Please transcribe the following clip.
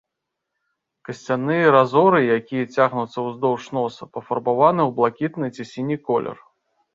Касцяныя разоры, якія цягнуцца ўздоўж носа, пафарбаваны ў блакітны ці сіні колер.